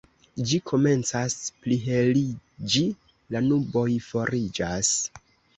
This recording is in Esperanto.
Ĝi komencas pliheliĝi, la nuboj foriĝas.